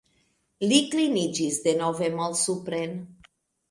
Li kliniĝis denove malsupren.